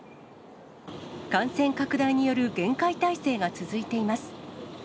感染拡大による厳戒態勢が続いています。